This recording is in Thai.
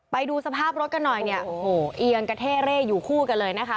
ไปดูสภาพรถกันหน่อยเนี่ยโอ้โหเอียงกระเท่เร่อยู่คู่กันเลยนะคะ